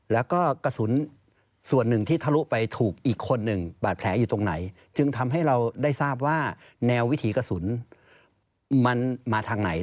แล้วก็กระสุนส่วนหนึ่งที่ทะลุไปถูกอีกคนหนึ่ง